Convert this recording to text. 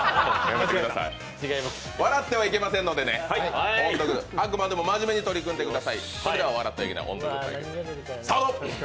笑ってはいけないのでね、あくまでも真面目に取り組んでください。